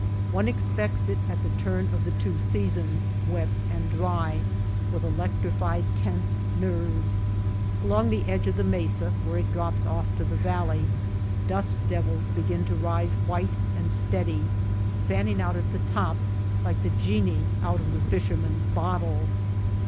One expects it at the turn of the two seasons, wet and dry, with electrified tense nerves. Along the edge of the mesa where it drops off to the valley, dust devils begin to rise white and steady, fanning out at the top. like the genii out of the Fisherman's bot tle.